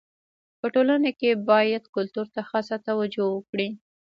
په ټولنه کي باید کلتور ته خاصه توجو وکړي.